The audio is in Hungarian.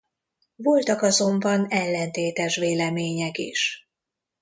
Voltak azonban ellentétes vélemények is.